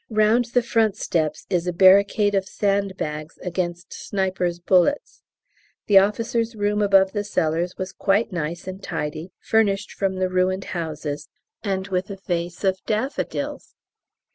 Round the front steps is a barricade of sandbags against snipers' bullets. The officer's room above the cellars was quite nice and tidy, furnished from the ruined houses, and with a vase of daffodils!